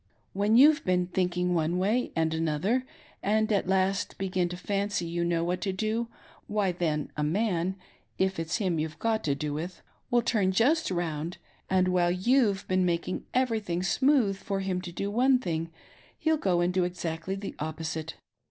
When you've been thinking one way and another, and at last tfegin to fanqy you know what to do, why then, a man^if .it's him you've got to do with — will turn just round, and ^hilie you've been making everything smooth for him to do one thing, he'll go and do exactly the opposite.